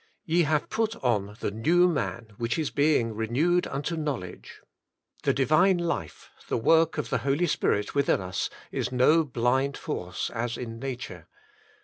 " Ye have put on the new man, which is being renewed unto knowledge." The Divine life, the work of the Holy Spirit within us, is no blind force, as in nature.